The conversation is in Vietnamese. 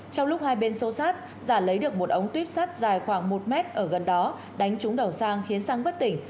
trong lúc hai bên xô sát giả lấy được một ống tuyếp sắt dài khoảng một mét ở gần đó đánh trúng đầu sang khiến sang bất tỉnh